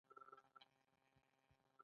تولیدونکو یو ډول توکي ډېر زیات تولید کړي دي